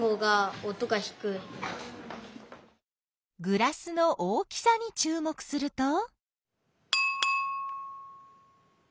グラスの大きさにちゅう目すると？